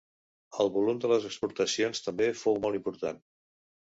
El volum de les exportacions també fou molt important.